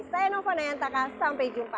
saya nova nayantaka sampai jumpa